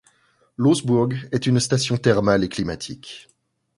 Loßburg est une station thermale et climatique.